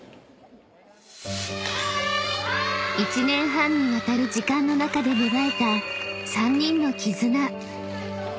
［１年半にわたる時間の中で芽生えた３人の］